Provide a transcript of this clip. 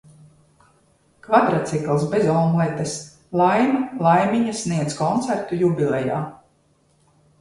Kvadracikls bez omletes, Laima, laimiņa sniedz koncertu jubilejā.